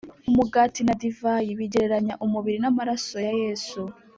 Umugati na divayi bigereranya umubiri n amaraso ya Yesu